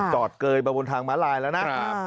เกยมาบนทางม้าลายแล้วนะ